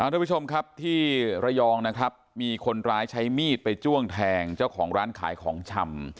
ทุกผู้ชมครับที่ระยองนะครับมีคนร้ายใช้มีดไปจ้วงแทงเจ้าของร้านขายของชำ